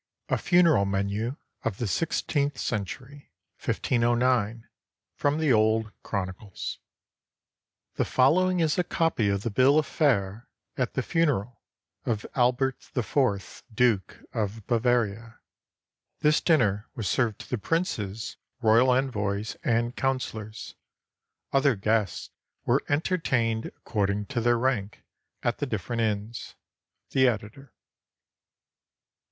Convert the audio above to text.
A FUNERAL MENU OF THE SIXTEENTH CENTURY FROM THE OLD CHRONICLES [The following is a copy of the bill of fare at the funeral of Albert IV, Duke of Bavaria. This dinner was served to the princes, royal envoys, and counselors. Other guests were entertained according to their rank, at the different inns. The Editor.